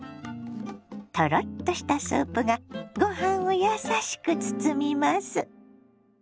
トロッとしたスープがご飯を優しく包みます。